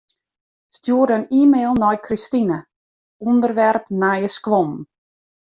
Stjoer in e-mail nei Kristine, ûnderwerp nije skuon.